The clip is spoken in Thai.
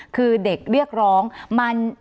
คือเด็กเรียกร้อง